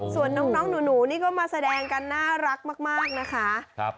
ส่วนน้องหนูนี่ก็มาแสดงกันน่ารักมากนะคะ